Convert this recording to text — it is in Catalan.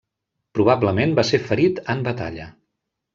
Probablement va ser ferit en batalla.